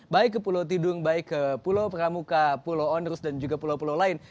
baik ke pulau tidung baik ke pulau pramuka pulau onrus dan juga pulau pulau lain